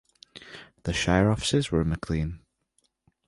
The shire offices were in Maclean.